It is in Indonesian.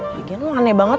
lagi lagi aneh banget